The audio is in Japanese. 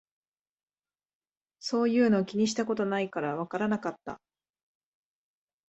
そういうの気にしたことないからわからなかった